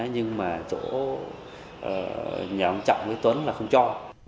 nhưng mà chỗ nhà ông trọng với tuấn là không cho